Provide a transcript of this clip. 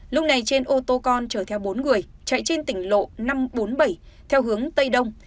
lúc này trên ô tô con chở theo bốn người chạy trên tỉnh lộ năm trăm bốn mươi bảy theo hướng tây đông